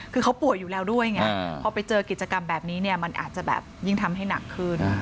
คือเขาป่วยอยู่แล้วด้วยไงพอไปเจอกิจกรรมแบบนี้เนี่ยมันอาจจะแบบยิ่งทำให้หนักขึ้น